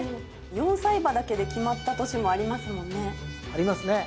４歳馬だけで決まった年もありますもんね。